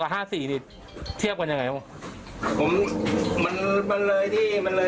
จากพื้นประมาณร่วม๓เมตร